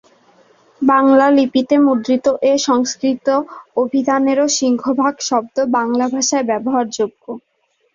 বাংলালিপিতে মুদ্রিত এ সংস্কৃত অভিধানেরও সিংহভাগ শব্দ বাংলা ভাষায় ব্যবহারযোগ্য।